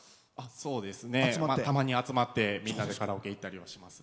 そうですね、たまに集まってカラオケに行ったりします。